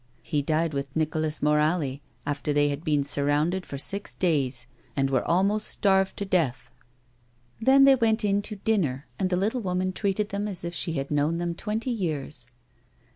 He died with Nicolas Morali after they had been surrounded for six days, and were almost starved to death." Then they went in to dinner, and the little woman treated them as if she had linown them twenty years.